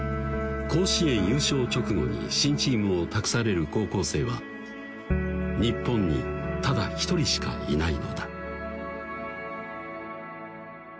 甲子園優勝直後に新チームを託される高校生は日本にただ一人しかいないのだ